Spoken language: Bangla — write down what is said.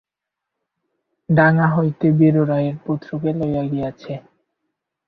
ডাঙা হইতে বীরু রায়ের পুত্রকে লইয়া গিয়াছে।